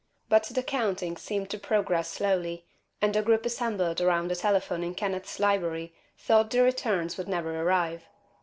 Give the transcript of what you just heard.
But the counting seemed to progress slowly and the group assembled around the telephone in Kenneth's library thought the returns would never arrive.